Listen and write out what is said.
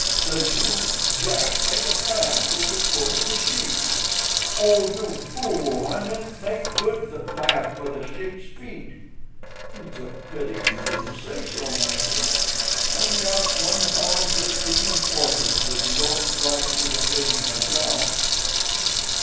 Says you, 'Jack, make a path with the foot of the sheep.'" "Oh, you fool, I meant make good the path for the sheep's feet." "It's a pity you didn't say so, master. Hand me out one pound thirteen and fourpence if you don't like me to finish my job."